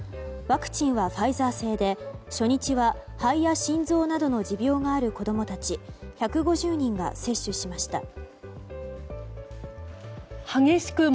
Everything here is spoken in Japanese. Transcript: ワクチンはファイザー製で初日は肺や心臓などの持病がある子供たち１５０人が接種しました。